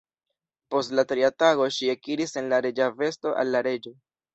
Post la tria tago ŝi ekiris en la reĝa vesto al la reĝo.